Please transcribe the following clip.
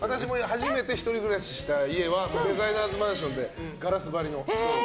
初めて１人暮らしした家はデザイナーズマンションでガラス張りの。